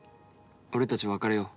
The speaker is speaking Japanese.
俺たち別れよう。